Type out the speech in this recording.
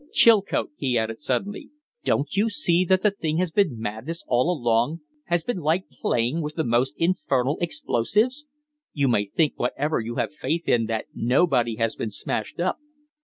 Chilcote," he added, suddenly, "don't you see that the thing has been madness all along has been like playing with the most infernal explosives? You may thank whatever you have faith in that nobody has been smashed up!